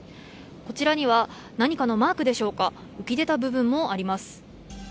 こちらには何のマークでしょうか、浮き出た部分もあります。